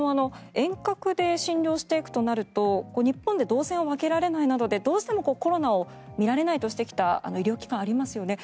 遠隔で診療していくとなると日本で動線を分けられないなどでどうしてもコロナを診られないとしてきた医療機関がありますよね。